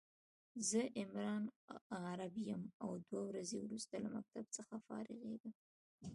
زه عمران عرب يم او دوه ورځي وروسته له مکتب څخه فارغيږم